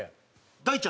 大ちゃん！